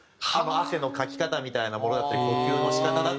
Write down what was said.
汗のかき方みたいなものだったり呼吸の仕方だったり。